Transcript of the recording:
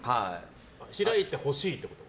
開いてほしいってこと？